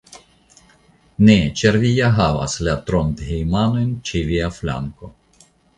Ne, ĉar vi ja havas la Trondhejmanojn ĉe via flanko.